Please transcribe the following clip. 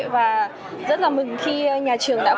và rất là mừng khi nhà trường đã có thể đưa ra ý kiến như thế